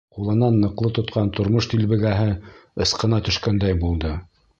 Ҡулынан ныҡлы тотҡан тормош дилбегәһе ысҡына төшкәндәй булды.